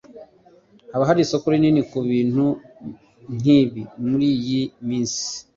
Haba hari isoko rinini kubintu nkibi muriyi minsi?